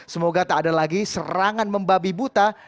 semoga tak ada lagi serangan membabi buta